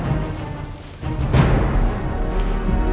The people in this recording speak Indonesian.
ini temannya coba pak bada